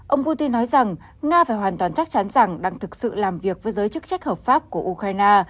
ông putin nói rằng nga phải hoàn toàn chắc chắn rằng đang thực sự làm việc với giới chức trách hợp pháp của ukraine